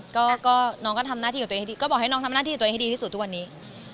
ก็บอกให้น้องทำหน้าที่ของตัวเองให้ดีที่สุดทุกวันนี้